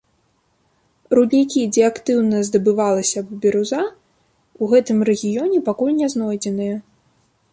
Руднікі, дзе актыўна здабывалася б біруза, у гэтым рэгіёне пакуль не знойдзеныя.